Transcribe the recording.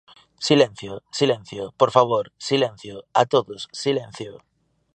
Silencio, silencio, por favor, silencio, a todos, silencio.